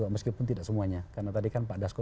meskipun tidak semuanya karena tadi kan pak dasko